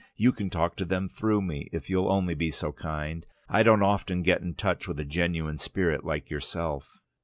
You can talk to them through me, if you'll only be so kind. I don't often get in touch with a genuine spirit like yourself."